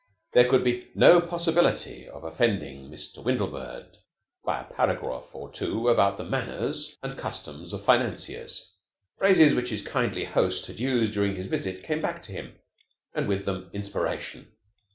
There could be no possibility of offending Mr. Windlebird by a paragraph or two about the manners and customs of financiers. Phrases which his kindly host had used during his visit came back to him, and with them inspiration.